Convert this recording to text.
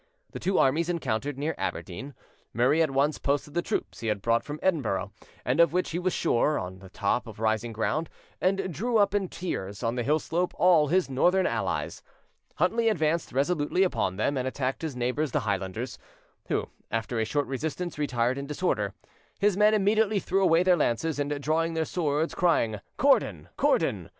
The two armies encountered near Aberdeen. Murray at once posted the troops he had brought from Edinburgh, and of which he was sure, on the top of rising ground, and drew up in tiers on the hill slope all his northern allies. Huntly advanced resolutely upon them, and attacked his neighbours the Highlanders, who after a short resistance retired in disorder. His men immediately threw away their lances, and, drawing their swords, crying, "Cordon, Cordon!"